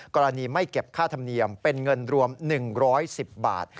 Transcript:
กรณีไม่เก็บค่าธรรมเนียมเป็นเงินรวม๑๑๐บาท